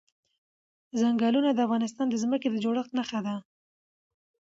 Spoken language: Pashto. ځنګلونه د افغانستان د ځمکې د جوړښت نښه ده.